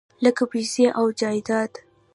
لکه پیسې او جایداد .